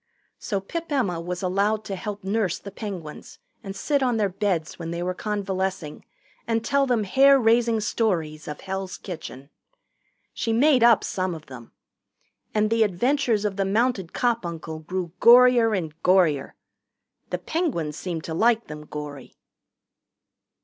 So Pip Emma was allowed to help nurse the Penguins and sit on their beds when they were convalescing and tell them hair raising stories of Hell's Kitchen. She made up some of them. And the adventures of the mounted cop uncle grew gorier and gorier. The Penguins seemed to like them gory.